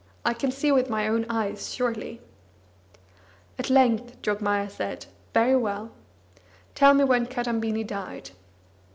I can see with my own eyes, surely." At length Jogmaya said: "Very well. Tell me when Kadambini died."